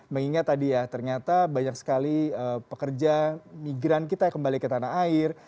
mengingat tadi ya ternyata banyak sekali pekerja migran kita yang kembali ke tanah air